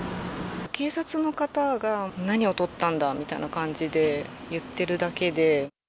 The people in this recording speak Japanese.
警察の方が、何をとったんだみたいな感じで言ってるだけで。